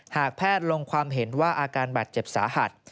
หากแพทย์ลงความเห็นว่าอาการบาดเจ็บสาหัส